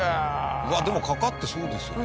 でもかかってそうですよ。